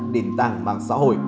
đi ra ngoài